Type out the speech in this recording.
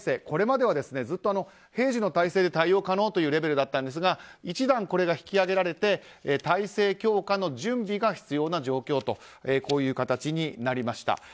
これまではずっと平時の体制で対応可能というレベルだったんですが１段引き上げられて体制強化の準備が準備が必要な状況という形になりました。